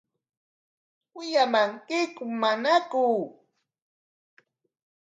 ¿Wiyamankiku manaku?